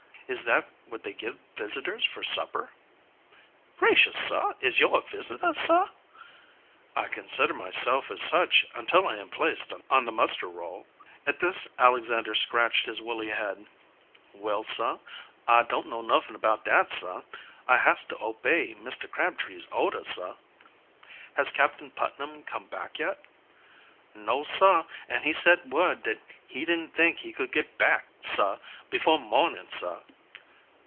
"Is that what they give visitors for supper?" "Gracious, sah, is yo' a visitah, sah?" "I consider myself as such until I am placed on the muster roll." At this Alexander scratched his woolly head. "Well, sah, I don't know nuffin about dat, sah. I has to obey Mr. Crabtree's oahdahs, sah." "Has Captain Putnam come back yet?" "No, sah, an' he sent word dat he didn't think he could git back, sah, before morning, sah."